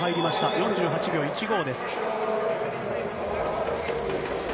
４８秒１５です。